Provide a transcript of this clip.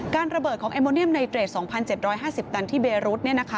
ระเบิดของเอโมเนียมไนเตรด๒๗๕๐ตันที่เบรุธ